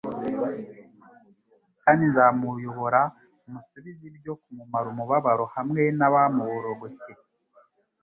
kandi nzamuyobora musubize ibyo kumumara umubabaro hamwe n'abamuborogcye.»